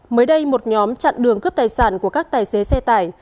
mới đây một nhóm chặn đường cướp tài sản của các tài xế xe tải